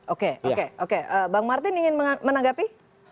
oke oke oke bang martin ingin menanggapi